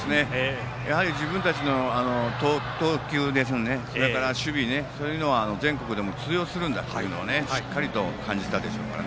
やはり自分たちの投球、それから守備そういうのは全国でも通用するんだというのをしっかりと感じたでしょうから。